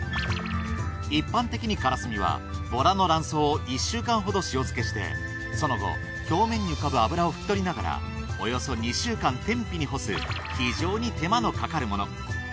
一般的にカラスミはボラの卵巣を１週間ほど塩漬けしてその後表面に浮かぶ脂をふき取りながらおよそ２週間天日に干す非常に手間のかかるもの。